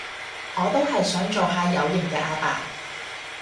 我都係想做下有型嘅阿爸